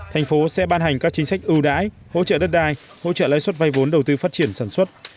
thành phố sẽ ban hành các chính sách ưu đãi hỗ trợ đất đai hỗ trợ lấy suất vay vốn đầu tư phát triển sản xuất